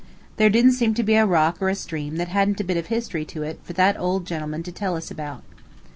There didn't seem to be a rock or a stream that hadn't a bit of history to it for that old gentleman to tell us about.